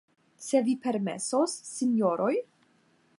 Se vi permesos, sinjoroj!